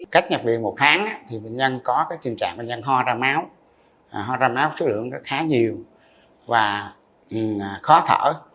cách nhập viện một tháng bệnh nhân có trình trạng hoa ra máu hoa ra máu số lượng khá nhiều và khó thở